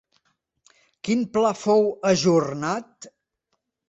Quin pla fou ajornat?